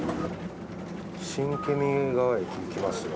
新検見川駅行きますよ。